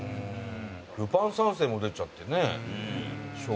『ルパン三世』も出ちゃってね昭和なんか。